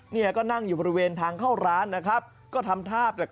เนี่ยก็นั่งอยู่บริเวณทางเข้าร้านนะครับก็ทำท่าแปลก